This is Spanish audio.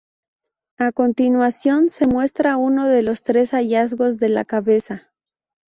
A continuación, se muestra uno de los tres hallazgos de la cabeza.